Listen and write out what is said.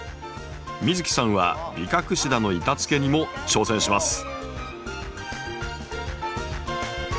美月さんはビカクシダの板つけにも挑戦します。